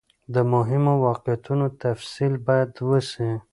د مهمو واقعیتونو تفصیل باید وسي.